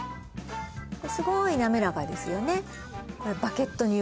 すごい滑らかですよね